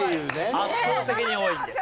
圧倒的に多いんです。